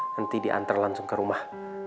henti diantar langsung ke rumah